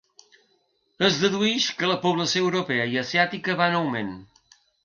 Es deduïx que la població europea i asiàtica va en augment.